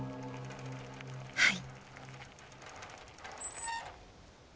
はい。